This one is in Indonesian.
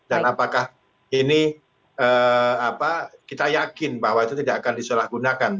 dan apakah ini kita yakin bahwa itu tidak akan disolahgunakan